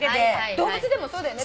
動物でもそうだよね。